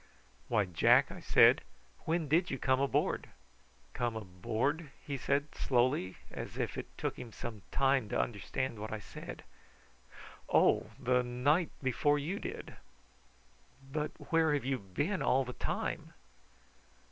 "Why, Jack," I said, "when did you come aboard?" "Come aboard?" he said slowly, as if it took him some time to understand what I said. "Oh, the night before you did." "But where have you been all the time?"